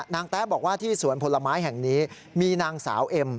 แต๊ะบอกว่าที่สวนผลไม้แห่งนี้มีนางสาวเอ็ม